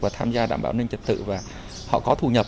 và tham gia đảm bảo an ninh trật tự và họ có thu nhập